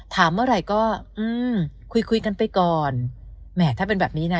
เมื่อไหร่ก็อืมคุยคุยกันไปก่อนแหมถ้าเป็นแบบนี้นะ